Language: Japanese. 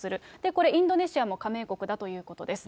これ、インドネシアも加盟国だということです。